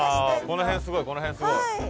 この辺すごいこの辺すごい。